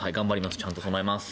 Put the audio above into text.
ちゃんと備えます。